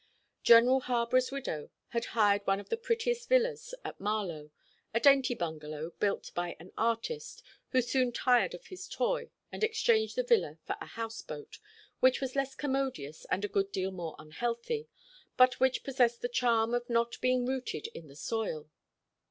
General Harborough's widow had hired one of the prettiest villas at Marlow, a dainty bungalow, built by an artist, who soon tired of his toy, and exchanged the villa for a house boat, which was less commodious and a good deal more unhealthy, but which possessed the charm of not being rooted in the soil.